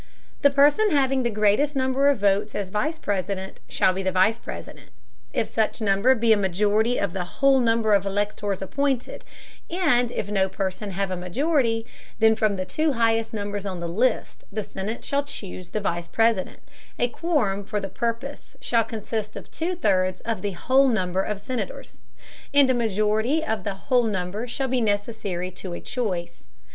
The person having the greatest number of votes as Vice President, shall be the Vice President, if such number be a majority of the whole number of Electors appointed, and if no person have a majority, then from the two highest numbers on the list, the Senate shall choose the Vice President; a quorum for the purpose shall consist of two thirds of the whole number of Senators, and a majority of the whole number shall be necessary to a choice.